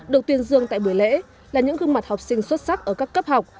được tuyên dương tại buổi lễ là những gương mặt học sinh xuất sắc ở các cấp học